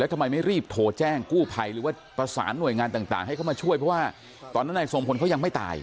ทำไมไม่รีบโทรแจ้งกู้ภัยหรือว่าประสานหน่วยงานต่างให้เข้ามาช่วยเพราะว่าตอนนั้นนายทรงพลเขายังไม่ตาย